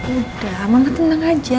udah mama tenang aja